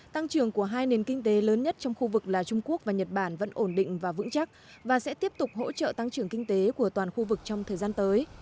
tăng trưởng của hai nền kinh tế lớn nhất trong khu vực là trung quốc và nhật bản vẫn ổn định và vững chắc và sẽ tiếp tục hỗ trợ tăng trưởng kinh tế của toàn khu vực trong thời gian tới